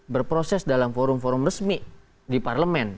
berproses dalam forum forum resmi di parlemen